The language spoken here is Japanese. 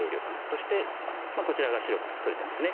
そしてこちらが白が取れてますね